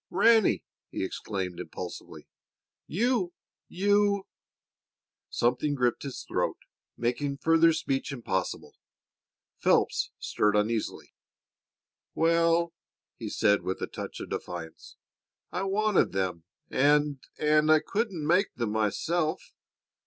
"Ranny!" he exclaimed impulsively. "You you " Something gripped his throat, making further speech impossible. Phelps stirred uneasily. "Well," he said with a touch of defiance, "I wanted them, and and I couldn't make them myself.